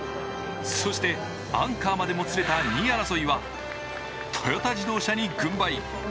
そして、アンカーまでもつれた２位争いはトヨタ自動車に軍配。